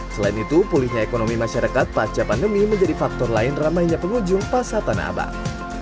selain itu pulihnya ekonomi masyarakat pasca pandemi menjadi faktor lain ramainya pengunjung pasar tanah abang